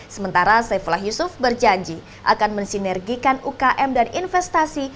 sementara saifullah yusuf berjanji akan mensinergikan ukm dan investasi